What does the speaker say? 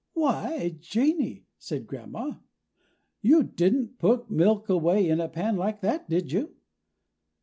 "Why, Janey," said Grandma, "you didn't put milk away in a pan like that, did you?"